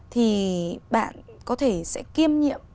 thì bạn có thể sẽ kiêm nhiệm